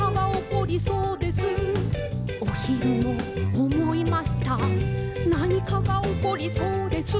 「おひるもおもいましたなにかがおこりそうです」